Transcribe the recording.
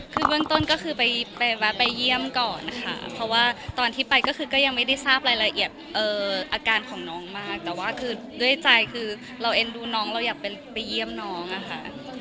คือเบื้องต้นก็คือไปแวะไปเยี่ยมก่อนค่ะเพราะว่าตอนที่ไปก็คือก็ยังไม่ได้ทราบรายละเอียดอาการของน้องมากแต่ว่าคือด้วยใจคือเราเอ็นดูน้องเราอยากไปเยี่ยมน้องอะค่ะ